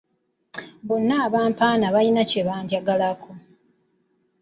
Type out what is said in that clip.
Bonna abampaana balina kye banjagalako.